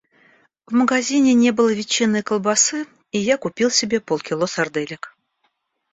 В магазине не было ветчинной колбасы, и я купил себе полкило сарделек.